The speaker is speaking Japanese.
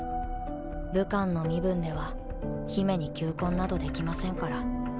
武官の身分では姫に求婚などできませんから。